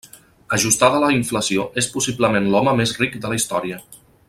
Ajustada a la inflació és possiblement l'home més ric de la història.